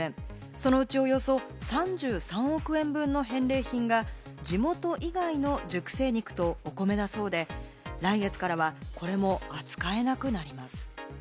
そのうちおよそ３３億円分の返礼品が、地元以外の熟成肉とお米だそうで、来月からは、これも扱えなくなります。